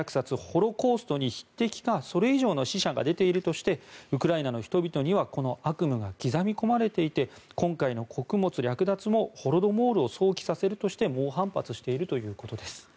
ホロコーストに匹敵かそれ以上の死者が出ているとしてウクライナの人々にはこの悪夢が刻み込まれていて今回の穀物略奪もホロドモールを想起させるとして猛反発しているということです。